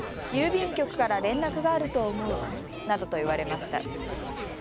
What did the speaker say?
郵便局から連絡があると思うなどと言われました。